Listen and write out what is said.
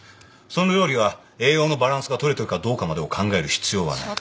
その料理が栄養のバランスが取れてるかどうかまでを考える必要はない。